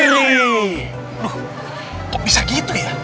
aduh kok bisa gitu ya